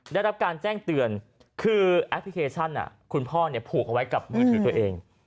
ได้รับการแจ้งเตือนคือแอปพลิเคชันคุณพ่อผูกเอาไว้กับมือถือตัวเอง